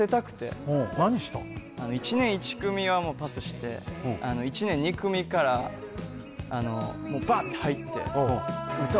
あの１年１組はもうパスして１年２組からあのもうバッて入ってええ！？